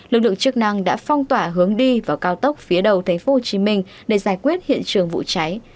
lực lượng chức năng đã phong tỏa hướng đi vào cao tốc phía đầu tp hcm để giải quyết hiện trường vụ cháy